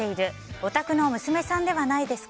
お宅の娘さんではないですか？